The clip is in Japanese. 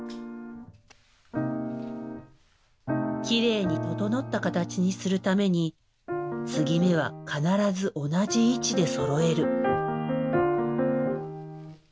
きれいに整った形にするために継ぎ目は必ず同じ位置でそろえる。